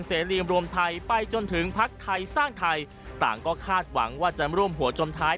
เสรีรวมไทยไปจนถึงพักไทยสร้างไทยต่างก็คาดหวังว่าจะร่วมหัวจมท้าย